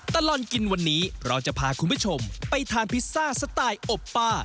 ตลอดกินวันนี้เราจะพาคุณผู้ชมไปทานพิซซ่าสไตล์อบป้า